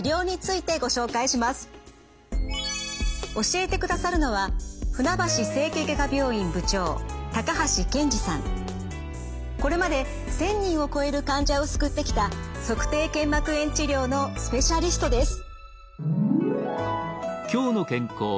教えてくださるのはこれまで１，０００人を超える患者を救ってきた足底腱膜炎治療のスペシャリストです。